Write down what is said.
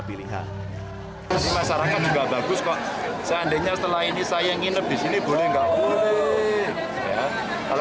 pilihan masyarakat juga bagus kok seandainya setelah ini saya nginep disini boleh nggak boleh